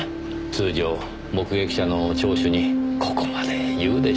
通常目撃者の聴取にここまで言うでしょうかねぇ？